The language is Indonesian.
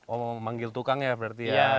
oh mau manggil tukang ya berarti ya